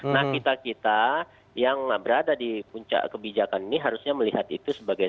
nah kita kita yang berada di puncak kebijakan ini harusnya melihat itu sebagai